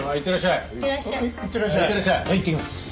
いってきます。